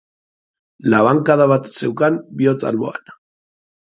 Labankada bat zeukan bihotz alboan.